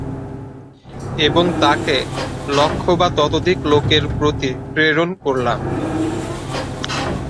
এবং তাঁকে, লক্ষ বা ততোধিক লোকের প্রতি প্রেরণ করলাম।